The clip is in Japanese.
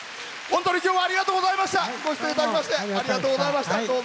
本当に、きょうはありがとうございました。